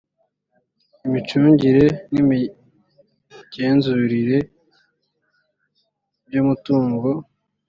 imicungire n imigenzurire by umutungo